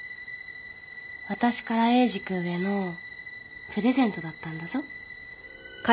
私からエイジ君へのプレゼントだったんだぞ。